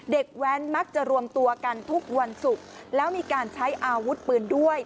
แว้นมักจะรวมตัวกันทุกวันศุกร์แล้วมีการใช้อาวุธปืนด้วย